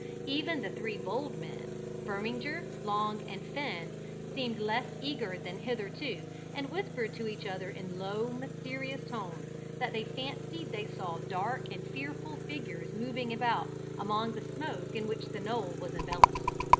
Even the three bold men, Firminger, Long, and Finn, seemed less eager than hitherto, and whispered to each other in low, mysterious tones, that they fancied they saw dark and fearful figures moving about among the smoke in which the knoll was enveloped.